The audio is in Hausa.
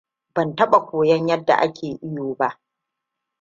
Ban taɓa koyon yadda ake iyo ba.